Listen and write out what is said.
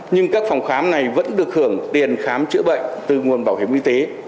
nhưng các phòng khám này vẫn được hưởng tiền khám chữa bệnh từ nguồn bảo hiểm y tế